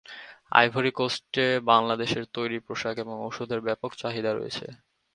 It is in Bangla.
আইভরি কোস্টে বাংলাদেশের তৈরি পোশাক এবং ঔষধের ব্যাপক চাহিদা রয়েছে।